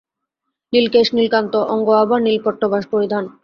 নীলকেশ, নীলকান্ত অঙ্গ-আভা, নীল পট্টবাস পরিধান।